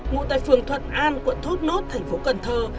ngụ tại phường thuận an quận thốt nốt thành phố cần thơ